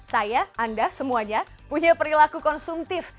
saya anda semuanya punya perilaku konsumtif